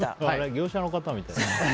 業者の方みたい。